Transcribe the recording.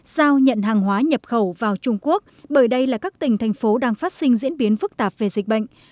giao nhận hàng hóa nhập khẩu vào trung quốc bởi đây là các tỉnh thành phố đang phát sinh diễn biến phức tạp về dịch bệnh